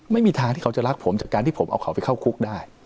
ไม่มีทางที่เขาจะรักผมจากการที่ผมเอาเขาไปเข้าคุกได้